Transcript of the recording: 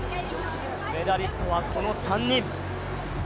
メダリストはこの３人。